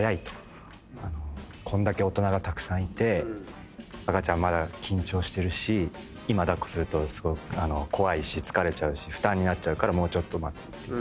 「こんだけ大人がたくさんいて赤ちゃんまだ緊張してるし今抱っこするとすごい怖いし疲れちゃうし負担になっちゃうからもうちょっと待って」って。